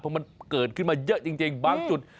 เพราะมันเกิดขึ้นมาเยอะจริงบางจุด